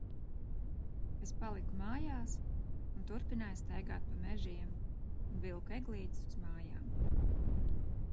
Es paliku mājās un turpināju staigāt pa mežiem un vilku eglītes uz mājām.